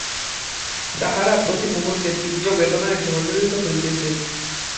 তাহারা প্রতি মুহূর্তে তীব্র বেদনায় জর্জরিত হইতেছে।